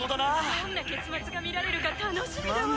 「どんな結末が見られるか楽しみだわ」